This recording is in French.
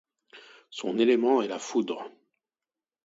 Son élément est la foudre.